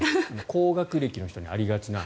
高学歴の人にありがちな。